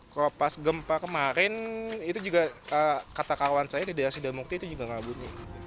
kalau pas gempa kemarin itu juga kata kawan saya di daerah sidamukti itu juga nggak buruk